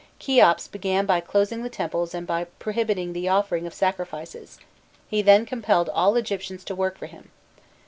Kheops began by closing the temples and by prohibiting the offering of sacrifices: he then compelled all the Egyptians to work for him.